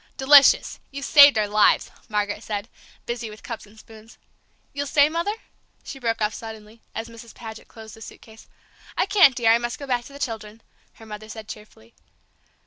"Delicious! You've saved our lives," Margaret said, busy with cups and spoons. "You'll stay, Mother?" she broke off suddenly, as Mrs. Paget closed the suitcase. "I can't, dear! I must go back to the children," her mother said cheerfully.